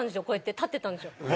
こうやって立ってたんですよ。